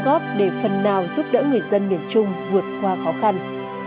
góp để phần nào giúp đỡ người dân miền trung vượt qua khó khăn